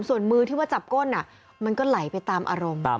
ส่วนมือที่ว่าจับก้นมันก็ไหลไปตามอารมณ์